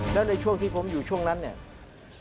แล้วในช่วงที่ผมอยู่ช่วงนั้นเนี่ย